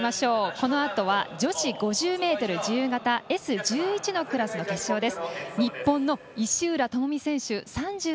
このあとは女子５０ｍ自由形Ｓ１１のクラスの決勝です。